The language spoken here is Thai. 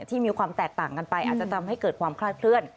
ที่มีความแตกต่างกันไปอาจจะทำให้เกิดความคลาดเคลื่อน